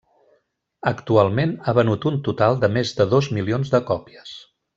Actualment ha venut un total de més de dos milions de còpies.